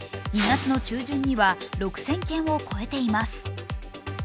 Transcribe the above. ２月の中旬には６０００件を超えています。